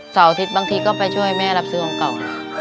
อาทิตย์บางทีก็ไปช่วยแม่รับซื้อของเก่า